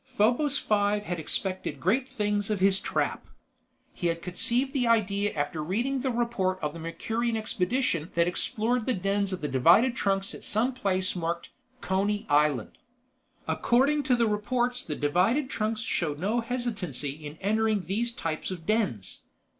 Probos Five had expected great things of his trap. He had conceived the idea after reading the report of a Mercurian expedition that explored the dens of the divided trunks at some place marked "Coney Island." According to the reports the divided trunks showed no hesitancy in entering these types of dens.